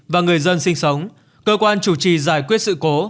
và người dân sinh sống cơ quan chủ trì giải quyết sự cố